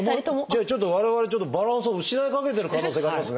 じゃあ我々ちょっとバランスを失いかけてる可能性がありますね。